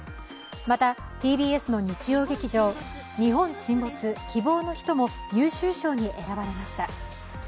またＴＢＳの日曜劇場「日本沈没−希望のひと−」も優秀賞に選ばれました。